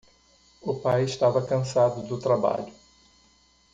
O pai estava cansado do trabalho.